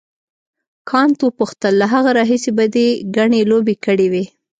کانت وپوښتل له هغه راهیسې به دې ګڼې لوبې کړې وي.